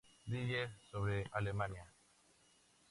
Brille sobre Alemania.